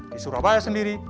di surabaya sendiri